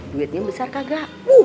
duitnya besar kagak